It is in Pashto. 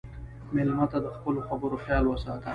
مېلمه ته د خپلو خبرو خیال وساته.